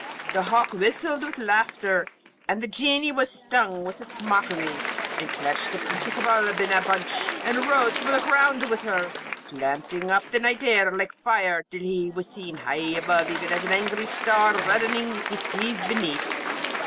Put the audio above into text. The hawk whistled with laughter, and the Genie was stung with its mockeries, and clutched the Princess of Oolb in a bunch, and arose from the ground with her, slanting up the night air like fire, till he was seen high up even as an angry star reddening the seas beneath.